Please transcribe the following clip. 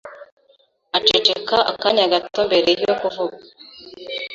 Aceceka akanya gato mbere yo kuvuga.